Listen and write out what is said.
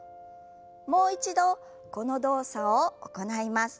もう一度この動作を行います。